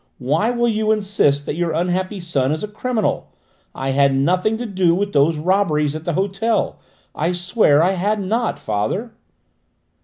Why will you insist that your unhappy son is a criminal? I had nothing to do with those robberies at the hotel; I swear I had not, father!"